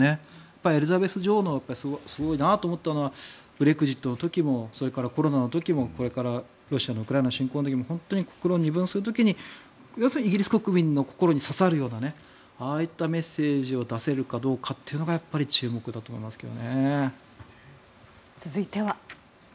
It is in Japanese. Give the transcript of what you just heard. やっぱりエリザベス女王がすごいなと思ったのはブレグジットの時もコロナの時もそれからロシアのウクライナ侵攻の時も国論を二分する時にイギリス国民の心に刺さるようなああいったメッセージを出せるかどうかというのが続いては。